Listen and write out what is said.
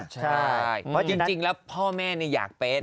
จริงแล้วพ่อแม่เนี่ยอยากเป็น